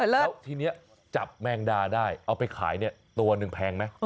แล้วทีนี้จับแมงดาได้เอาไปขายเนี่ยตัวหนึ่งแพงไหม